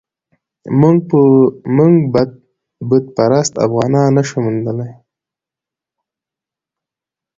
موږ بت پرست افغانان نه شو موندلای.